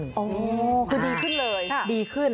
คือดีขึ้นเลย